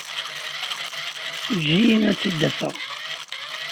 Eǧǧ-iyi ad tt-id-afeɣ.